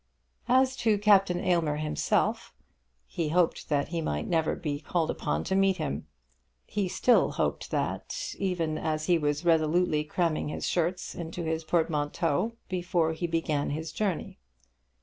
As to Captain Aylmer himself, he hoped that he might never be called upon to meet him. He still hoped that, even as he was resolutely cramming his shirts into his portmanteau before he began his journey.